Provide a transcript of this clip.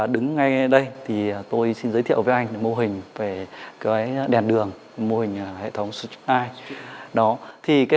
đứng ngay đây thì tôi xin giới thiệu với anh mô hình về đèn đường mô hình hệ thống switch eye